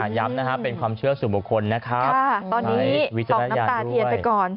ย้ำนะฮะเป็นความเชื่อสู่บุคคลนะครับตอนนี้ส่องน้ำตาเทียนไปก่อน